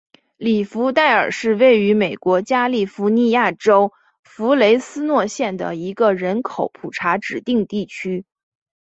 里弗代尔是位于美国加利福尼亚州弗雷斯诺县的一个人口普查指定地区。